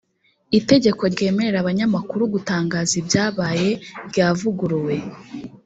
itegeko ryemerera abanyamakuru gutangaza ibyabaye ryavuguruwe